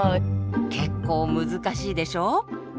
結構難しいでしょ？